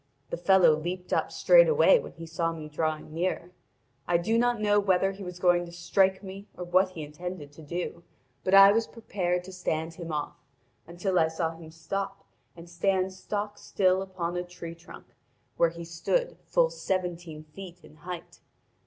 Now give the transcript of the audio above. The fellow leaped up straightway when he saw me drawing near. I do not know whether he was going to strike me or what he intended to do, but I was prepared to stand him off, until I saw him stop and stand stock still upon a tree trunk, where he stood full seventeen feet in height.